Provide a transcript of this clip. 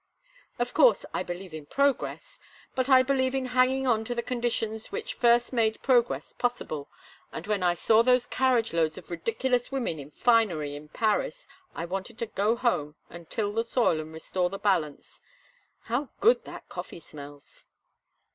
Of course, I believe in progress, but I believe in hanging on to the conditions which first made progress possible; and when I saw those carriage loads of ridiculous women and finery in Paris I wanted to go home and till the soil and restore the balance. How good that coffee smells!"